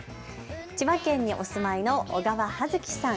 千葉県にお住まいの小川葉月さん。